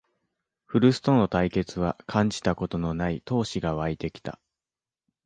古巣との対決は感じたことのない闘志がわいてきた